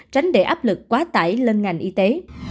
tránh để áp lực quá tải lên ngành y tế